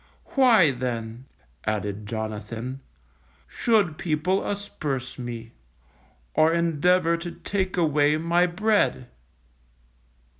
Why, then_, added Jonathan, _should people asperse me, or endeavour to take away my bread?